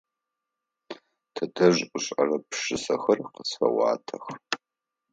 Тэтэжъ ышӏэрэ пшысэхэр къысфеӏуатэх.